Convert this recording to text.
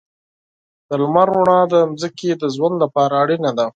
د لمر رڼا د ځمکې د ژوند لپاره اړینه ده.